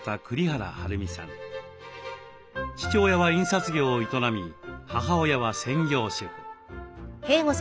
父親は印刷業を営み母親は専業主婦。